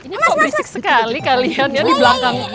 ini kok berisik sekali kalian ya di belakang